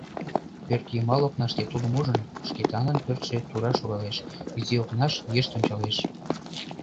Пӧртйымал окнаште тулым ужын, Шкетанын пӧртшӧ тура шогалеш, изи окнаш йышт ончалеш.